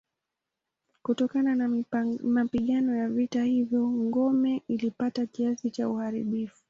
Kutokana na mapigano ya vita hivyo ngome ilipata kiasi cha uharibifu.